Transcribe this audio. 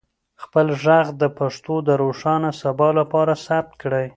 خپل ږغ د پښتو د روښانه سبا لپاره ثبت کړئ.